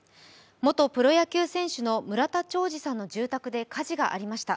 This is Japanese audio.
元プロ野球選手の村田兆治さんの住宅で火事がありました。